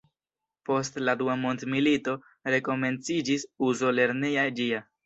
Post la Dua mondmilito rekomenciĝis uzo lerneja ĝia.